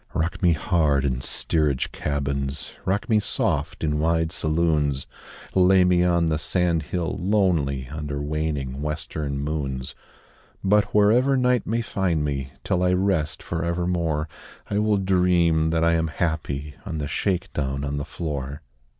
Rock me hard in steerage cabins, Rock me soft in wide saloons, Lay me on the sand hill lonely Under waning western moons; But wherever night may find me Till I rest for evermore I will dream that I am happy On the shake down on the floor.